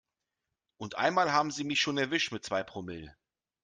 Und einmal haben sie mich schon erwischt mit zwei Promille.